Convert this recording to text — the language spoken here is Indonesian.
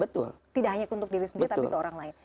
betul tidak hanya untuk diri sendiri tapi ke orang lain